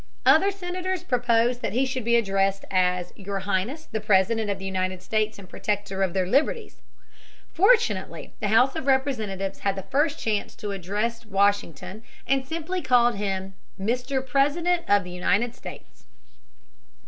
Other senators proposed that he should be addressed as "Your Highness, the President of the United States and Protector of their Liberties." Fortunately, the House of Representatives had the first chance to address Washington and simply called him "Mr. President of the United States."